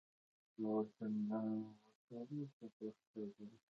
او ورته ملا وتړو په پښتو ژبه.